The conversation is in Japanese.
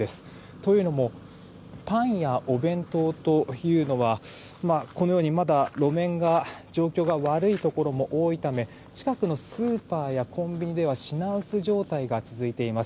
というのもパンやお弁当というのはこのように、まだ路面状況が悪いところも多いため近くのスーパーやコンビニでは品薄状態が続いています。